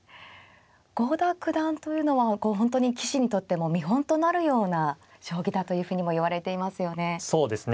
郷田九段というのはこう本当に棋士にとっても見本となるような将棋だというふうにもいわれていますよね。